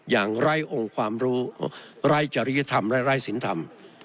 อย่างไร้องค์ความรู้ไร้จริยธรรมและไร้สินธรรม